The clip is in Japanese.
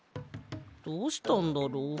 どうしたんだろう。